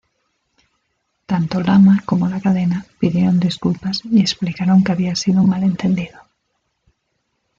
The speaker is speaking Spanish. Tanto Lama como la cadena pidieron disculpas y explicaron que había sido un malentendido.